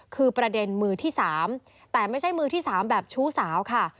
คือประเด็นมือที่๓แต่ไม่ใช่มือที่๓แบบชู้สาวค่ะ